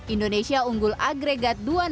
indonesia unggul agregat dua